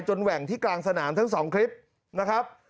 แหว่งที่กลางสนามทั้งสองคลิปนะครับ